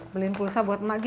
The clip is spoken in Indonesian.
beliin pulsa buat emak gi